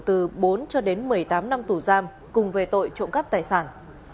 từ bốn cho đến một mươi tám năm tù giam cùng về tội trộm cắp tài sản